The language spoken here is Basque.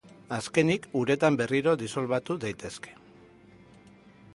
Azkenik, uretan berriro disolbatu daitezke.